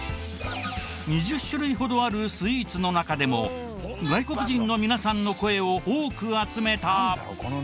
２０種類ほどあるスイーツの中でも外国人の皆さんの声を多く集めた。